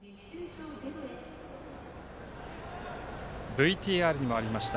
ＶＴＲにもありました